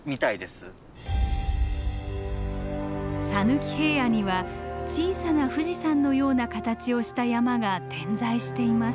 讃岐平野には小さな富士山のような形をした山が点在しています。